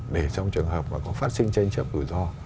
để trong trường hợp mà có phát sinh tranh chấp tự do